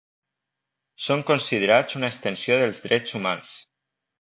Són considerats una extensió dels Drets Humans.